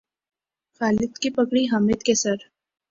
خالد کی پگڑی حامد کے سر